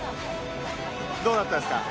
どうだったですか？